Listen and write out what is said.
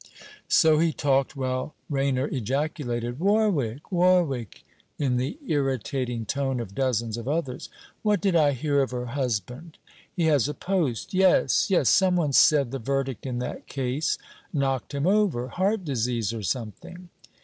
So he talked while Rainer ejaculated: 'Warwick? Warwick?' in the irritating tone of dozens of others. 'What did I hear of her husband? He has a post.... Yes, yes. Some one said the verdict in that case knocked him over heart disease, or something.'